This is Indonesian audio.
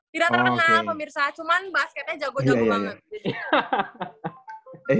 tidak terkenal pemirsa cuman basketnya jago jago banget